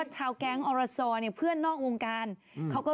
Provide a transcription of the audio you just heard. สวัสดีครับ